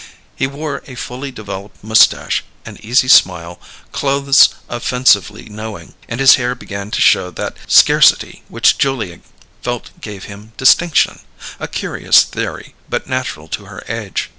He wore a fully developed moustache, an easy smile, clothes offensively knowing; and his hair began to show that scarcity which Julia felt gave him distinction a curious theory, but natural to her age.